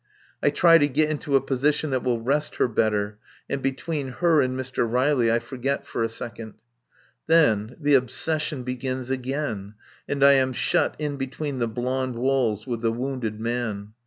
I try to get into a position that will rest her better; and between her and Mr. Riley I forget for a second. Then the obsession begins again, and I am shut in between the blond walls with the wounded man.